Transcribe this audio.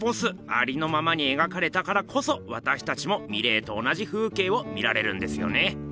ありのままに描かれたからこそわたしたちもミレーと同じ風景を見られるんですよね。